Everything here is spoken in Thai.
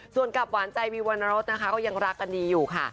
ส่วนกับหวานใจวีวรรณรสนะคะก็ยังรักกันดีอยู่ค่ะ